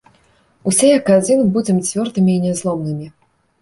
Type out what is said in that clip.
Усе, як адзін, будзем цвёрдымі і нязломнымі!